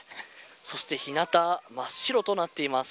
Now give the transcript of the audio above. そして日なたは真っ白となっています。